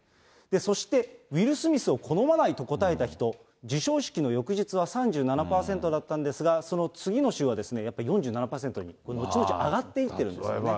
そして、ウィル・スミスを好まないと答えた人、授賞式の翌日は３７％だったんですが、その次の週はやっぱり４７％にのちのち上がっていってるんですね。